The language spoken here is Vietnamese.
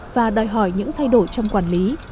và đòi hỏi những thay đổi trong quản lý